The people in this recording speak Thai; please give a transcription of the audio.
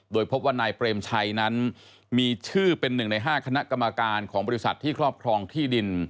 โดยพบว่านายเปรมชัยนั้นมีชื่อเป็น๑ใน๕คณะกรรมการของบริษัทที่ครอบครองที่ดิน